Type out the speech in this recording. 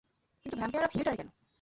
কিন্তু ভ্যাম্পায়াররা থিয়েটারে কেন?